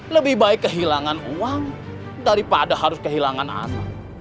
lebih baik kehilangan uang daripada harus kehilangan asa